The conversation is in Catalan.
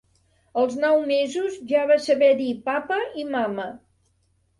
Als nou mesos ja va saber dir papa i mama